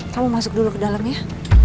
kamu masuk dulu ke dalam ya